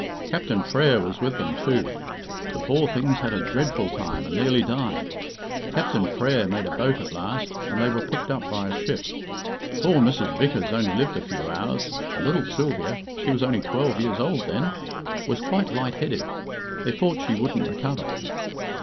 Captain Frere was with them, too. The poor things had a dreadful time, and nearly died. Captain Frere made a boat at last, and they were picked up by a ship. Poor Mrs. Vickers only lived a few hours, and little Sylvia she was only twelve years old then was quite light headed. They thought she wouldn't recover."